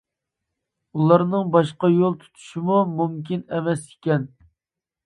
ئۇلارنىڭ باشقا يول تۇتۇشىمۇ مۇمكىن ئەمەس ئىكەن.